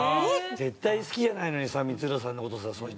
絶対好きじゃないのにさ光浦さんの事さそいつ。